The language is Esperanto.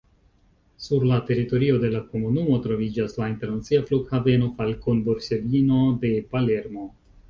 Sur la teritorio de la komunumo troviĝas la internacia Flughaveno Falcone-Borsellino de Palermo.